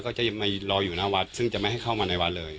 ก็จะมารออยู่หน้าวัดซึ่งจะไม่ให้เข้ามาในวัดเลย